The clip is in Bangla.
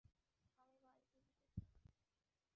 আমি বাড়িতে যেতে চাই!